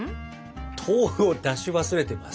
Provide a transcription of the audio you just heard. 豆腐を出し忘れてます。